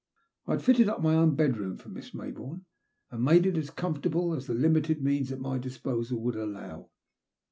I had fitted up my own bedroom for Miss Maybourne, and made it as com fortable as the limited means at my disposal would allow.